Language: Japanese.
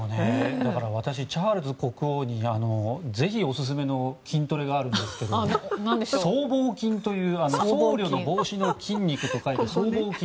私、チャールズ国王にぜひ、オススメの筋トレがあるんですけど僧帽筋という僧侶の帽子の筋肉と書いて僧帽筋。